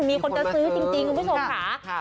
มีคนจะซื้อจริงคุณพี่โศกขา